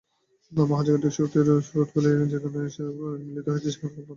মহাজাগতিক শক্তির স্রোতগুলো যেখানে এসে মিলিত হয়েছে, সেখানে বানানো হয়েছে এই স্যাঙ্কটামকে।